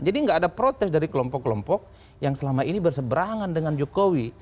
jadi nggak ada protes dari kelompok kelompok yang selama ini berseberangan dengan jokowi